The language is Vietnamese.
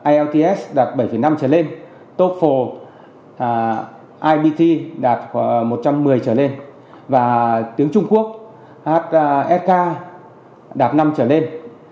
ielts đạt bảy năm trở lên toefl ibt đạt một trăm một mươi trở lên tiếng trung quốc hk đạt năm trở lên